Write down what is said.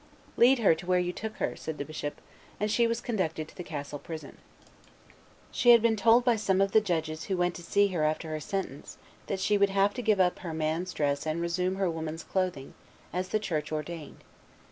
"Lead her to where you took her," said the bishop; and she was conducted to the castle prison. She had been told by some of the judges who went to see her after her sentence, that she would have to give up her man's dress and resume her woman's clothing, as the Church ordained.